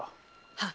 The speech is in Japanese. はっ。